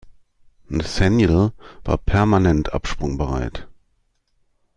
Nathanael war permanent absprungbereit.